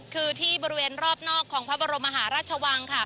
คือที่บริเวณรอบนอกของพระบรมมหาราชวังค่ะ